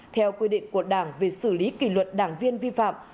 theo quy định của đảng về xử lý kỷ luật đảng viên vi phạm